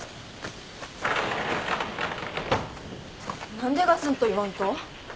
何でがつんと言わんと？